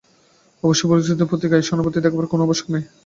অবশ্য বুজরুকদের প্রতি গায়ে পড়ে সহানুভূতি দেখাবারও কোন আবশ্যক নেই।